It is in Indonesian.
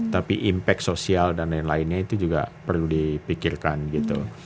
tapi impact sosial dan lain lainnya itu juga perlu dipikirkan gitu